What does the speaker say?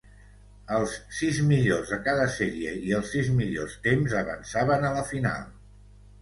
Els sis millors de cada sèrie i els sis millors temps avançaven a la final.